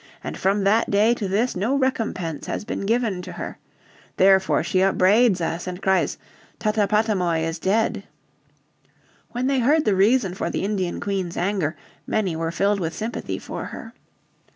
And from that day to this no recompense has been given to her. Therefore she upbraids us, and cries, 'Tatapatamoi is dead.'" When they heard the reason for the Indian Queen's anger many were filled with sympathy for her.